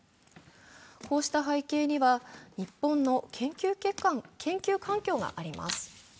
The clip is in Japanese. こうした背景には日本の研究環境があります。